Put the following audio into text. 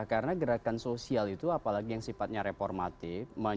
karena gerakan sosial itu apalagi yang sifatnya reformatif